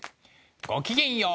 ごきげんよう。